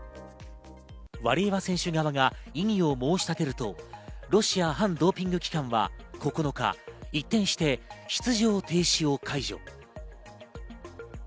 ワリエワ選手側が異議を申し立てると、ロシア反ドーピング機関は９日、一転して出場停止を解除。